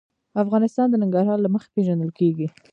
افغانستان د ننګرهار له مخې پېژندل کېږي.